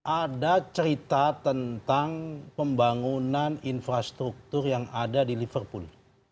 ada cerita tentang pembangunan infrastruktur yang ada di liverpool